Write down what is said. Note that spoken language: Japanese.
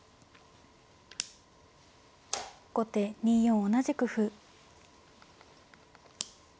後手２四同じく歩。